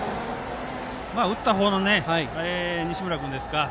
打った方の西村君ですか。